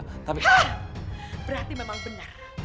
hah berarti memang benar